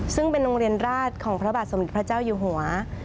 ซึ่งเป็นโรงเรียนราชของพระบาทสมเด็จพระเจ้าอยู่หัว